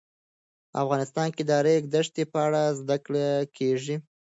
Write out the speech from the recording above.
افغانستان کې د د ریګ دښتې په اړه زده کړه کېږي.